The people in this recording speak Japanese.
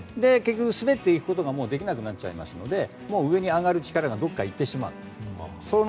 結局滑っていくことができなくなっちゃいますのでもう上に上がる力がどこかにいってしまう。